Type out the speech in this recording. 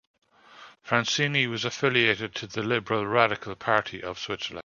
Franscini was affiliated to the Liberal Radical Party of Switzerland.